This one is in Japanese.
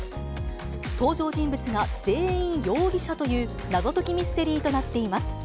登場人物が全員容疑者という謎解きミステリーとなっています。